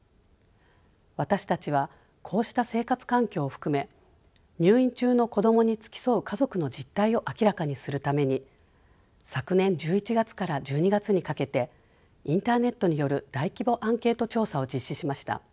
私たちはこうした生活環境を含め入院中の子どもに付き添う家族の実態を明らかにするために昨年１１月から１２月にかけてインターネットによる大規模アンケート調査を実施しました。